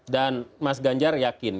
dan mas ganjar yakin